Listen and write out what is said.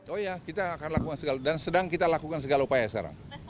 oh ya kita akan lakukan segala dan sedang kita lakukan segala upaya sekarang